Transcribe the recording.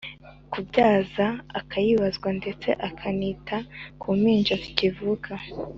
kubyaza akayibazwa ndetse akanita ku mpinja zikivuka.